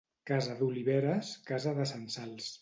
Casa d'oliveres, casa de censals.